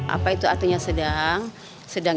apa itu artinya sedang